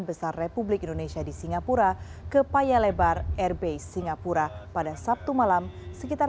besar republik indonesia di singapura ke paya lebar airb singapura pada sabtu malam sekitar